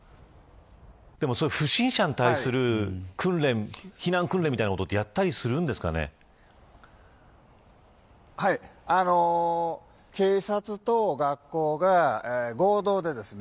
でも、不審者に対する避難訓練みたいなことって警察と学校が合同でですね